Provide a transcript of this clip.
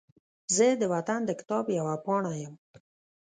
زه د وطن د کتاب یوه پاڼه یم